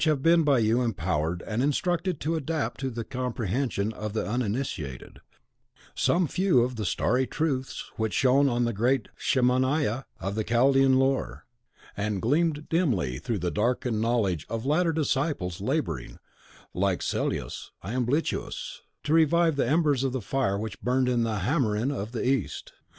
have been by you empowered and instructed to adapt to the comprehension of the uninitiated, some few of the starry truths which shone on the great Shemaia of the Chaldean Lore, and gleamed dimly through the darkened knowledge of latter disciples, labouring, like Psellus and Iamblichus, to revive the embers of the fire which burned in the Hamarin of the East.